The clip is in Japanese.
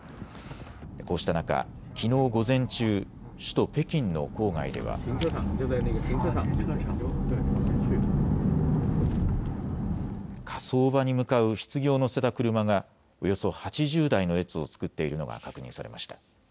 こうした中、きのう午前中首都北京の郊外では火葬場に向かうひつぎを乗せた車がおよそ８０台の列を作っているのが確認されました。